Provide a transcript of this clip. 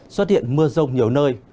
xuất hiện mưa rông nhiều nơi